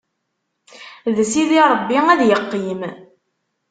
D Sidi Ṛebbi ad yeqqim.